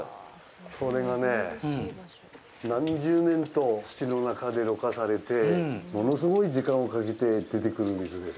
これがね、何十年と土の中でろ過されて、物すごい時間をかけて出てくる水です。